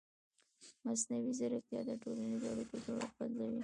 مصنوعي ځیرکتیا د ټولنیزو اړیکو جوړښت بدلوي.